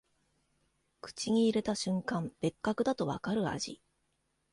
口に入れた瞬間、別格だとわかる味